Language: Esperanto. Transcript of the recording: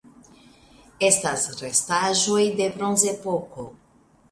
Estas restaĵoj de Bronzepoko.